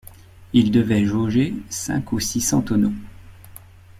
Il devait jauger cinq ou six cents tonneaux.